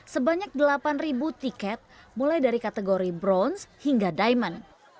sebanyak delapan tiket mulai dari kategori brown hingga diamond